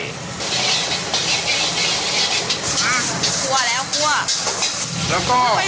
มาครับคั่วแล้ว